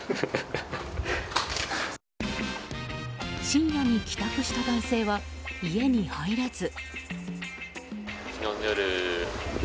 深夜に帰宅した男性は家に入れず。